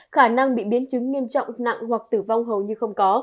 khả năng bị biến chứng nghiêm trọng nặng hoặc tử vong hầu như không có